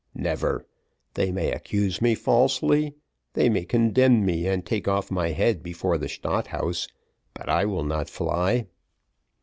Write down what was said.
Never! they may accuse me falsely; they may condemn me and take off my head before the Stadt House, but I will not fly."